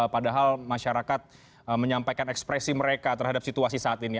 padahal masyarakat menyampaikan ekspresi mereka terhadap situasi saat ini